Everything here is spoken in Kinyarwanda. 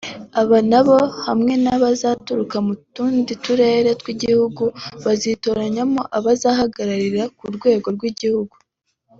Aba nabo hamwe n’abazaturuka mu tundi turere tw’igihugu bazitoramo ababahagararira ku rwego rw’Igihugu